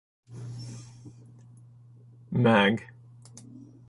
Mag.